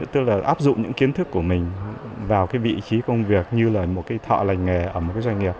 tức là áp dụng những kiến thức của mình vào cái vị trí công việc như là một cái thọ lành nghề ở một cái doanh nghiệp